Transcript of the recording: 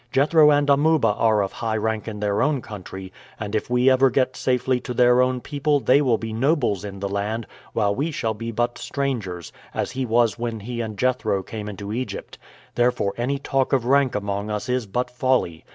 Jethro and Amuba are of high rank in their own country, and if we ever get safely to their own people they will be nobles in the land, while we shall be but strangers, as he was when he and Jethro came into Egypt. Therefore any talk of rank among us is but folly.